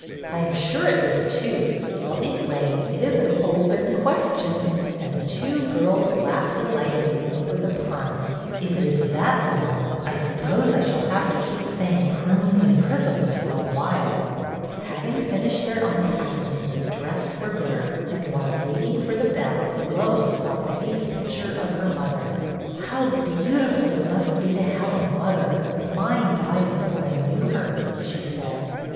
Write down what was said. " I am sure it was two — well, anyway, it is an open question ;" and the two girls laughed delightedly over the pun. " If it is that long, I suppose I shall have to keep say ing ' prunes and prisms ' for a while." Having finished their unpacking they dressed for dinner, and, while waiting for the bell, Lois saw Betty's picture of her mother. "How beautiful it must be to have a mother! Mine died before I knew her," she said.